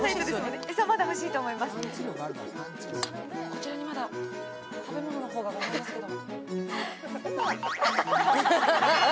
こちらにまだ食べ物の方がありますけど。